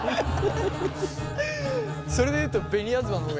それで言うと紅あずまの方が。